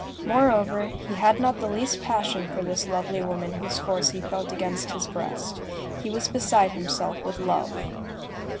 Moreover, he had not the least passion for this lovely woman whose force he felt against his breast. He was beside himself with love.